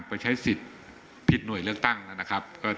ไปใช้สิทธิ์ผิดหน่วยเลือกตั้งนะครับ